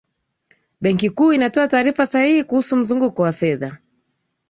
benki kuu inatoa taarifa sahihi kuhusu mzunguko wa fedha